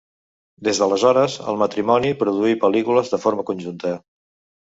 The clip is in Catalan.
Des d'aleshores, el matrimoni produí pel·lícules de forma conjunta.